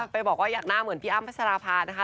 ไปบอกว่าอยากหน้าเหมือนพี่อ้ำพัชราภานะคะ